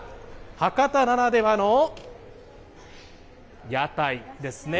博多ならではの屋台ですね。